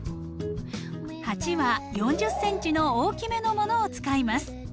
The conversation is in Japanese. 鉢は４０ｃｍの大きめのものを使います。